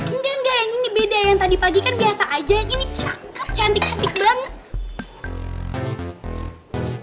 enggak enggak yang ini beda yang tadi pagi kan biasa aja ini cakep cantik cantik banget